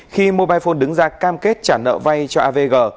khi mobile phone đứng ra cam kết trả nợ vay cho avg